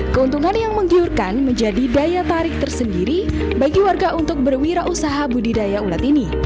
keuntungan yang menggiurkan menjadi daya tarik tersendiri bagi warga untuk berwirausaha budidaya ulat ini